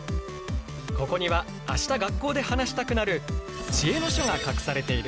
ここには明日学校で話したくなる知恵の書が隠されている。